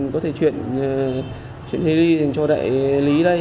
có thể chuyển heli cho đại lý đây